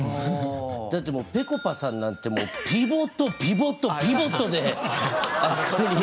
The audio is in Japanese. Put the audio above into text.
だってもうぺこぱさんなんてピボットピボットピボットであそこに。